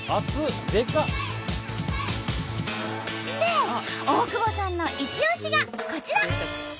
で大久保さんのいち押しがこちら。